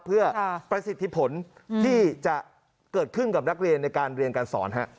เพื่อประสิทธิผลที่จะเกิดขึ้นกับนักเรียนในการเรียนการสอน